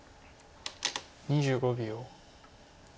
２５秒。